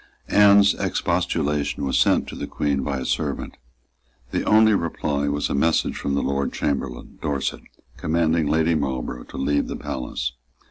Anne's expostulation was sent to the Queen by a servant. The only reply was a message from the Lord Chamberlain, Dorset, commanding Lady Marlborough to leave the palace.